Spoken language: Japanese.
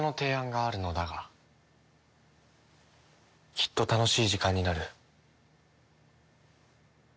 きっと楽しい時間になる。